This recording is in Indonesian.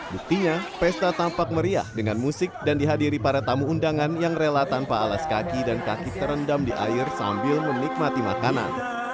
buktinya pesta tampak meriah dengan musik dan dihadiri para tamu undangan yang rela tanpa alas kaki dan kaki terendam di air sambil menikmati makanan